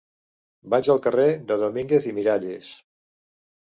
Vaig al carrer de Domínguez i Miralles.